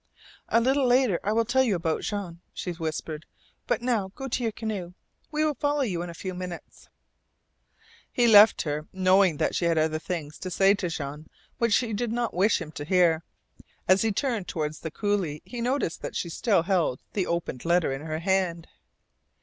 "A little later I will tell you about Jean," she whispered. "But now, go to your canoe. We will follow you in a few minutes." He left her, knowing that she had other things to say to Jean which she did not wish him to hear. As he turned toward the coulee he noticed that she still held the opened letter in her hand.